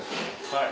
はい。